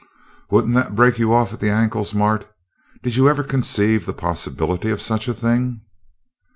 "Wouldn't that break you off at the ankles, Mart? Did you ever conceive the possibility of such a thing?